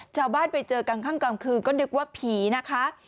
เจ้าบ้านไปเจอกันข้างกลางคืนก็เรียกว่าผีนะคะ